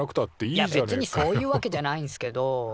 いやべつにそういうわけじゃないんすけど。